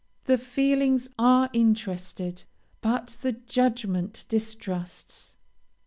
The feelings are interested, but the judgment distrusts.